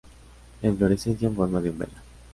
La inflorescencia en forma de umbela.